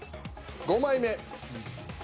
５枚目。